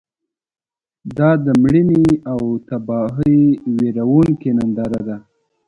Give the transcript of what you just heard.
دا د مړینې او تباهۍ ویرونکې ننداره ده.